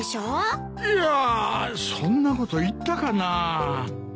いやあそんなこと言ったかな。